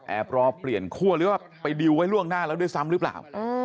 รอเปลี่ยนคั่วหรือว่าไปดิวไว้ล่วงหน้าแล้วด้วยซ้ำหรือเปล่า